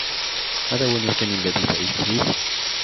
هذا هو المكان الذي تعيش فيه.